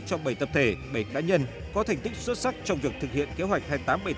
cho bảy tập thể bảy cá nhân có thành tích xuất sắc trong việc thực hiện kế hoạch hai nghìn tám trăm bảy mươi tám